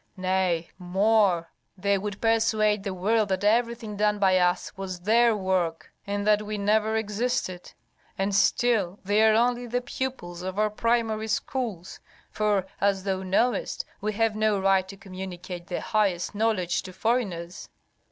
Nay more, they would persuade the world that everything done by us was their work, and that we never existed. And still they are only the pupils of our primary schools, for, as thou knowest, we have no right to communicate the highest knowledge to foreigners."